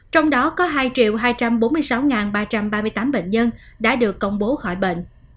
trong đó có hai hai trăm bốn mươi sáu ba trăm ba mươi tám bệnh nhân đã được công bố khỏi bệnh